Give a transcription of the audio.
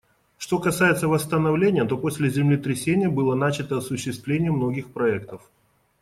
Что касается восстановления, то после землетрясения было начато осуществление многих проектов.